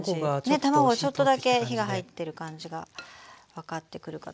卵ちょっとだけ火が入ってる感じが分かってくるかと。